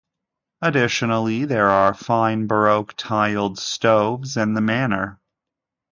Additionally, there are fine baroque tiled stoves in the manor.